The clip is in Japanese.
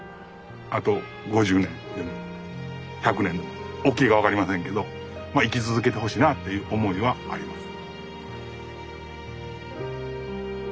あと５０年でも１００年でもおっきいか分かりませんけどまあ生き続けてほしいなあっていう思いはあります。